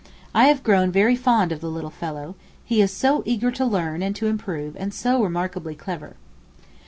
I have grown very fond of the little fellow, he is so eager to learn and to improve and so remarkably clever.